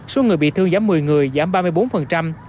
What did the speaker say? số người bị thương giảm một mươi người giảm ba mươi bốn